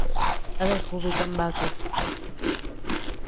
¿A dea jobe kanbakud?